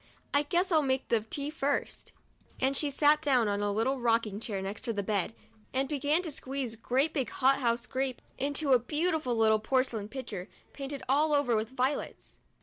I guess I'll make the tea first ;" and she sat down on a little rock ing chair next to the bed, and began to squeeze great big hothouse grapes into a beautiful little porcelain pitcher, painted all over with violets.